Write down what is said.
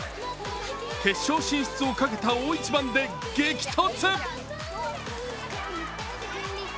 決勝進出をかけた大一番で激突。